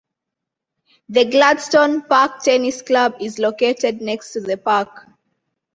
The Gladstone Park Tennis Club is located next to the park.